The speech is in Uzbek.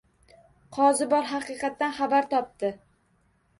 Qozi bor haqiqatdan xabar topdi.